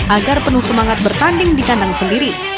agar penuh semangat bertanding di kandang sendiri